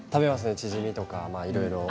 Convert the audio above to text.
チヂミとかいろいろ。